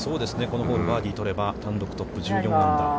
このホールバーディーを取れば、単独トップ、１４アンダー。